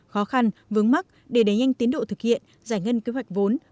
khó khăn vướng mắc để đánh nhanh tiến độ thực hiện giải ngân kế hoạch vốn